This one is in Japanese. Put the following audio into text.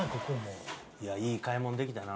いやいい買い物できたな。